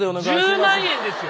１０万円ですよ